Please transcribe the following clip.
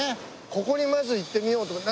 ここにまず行ってみようと。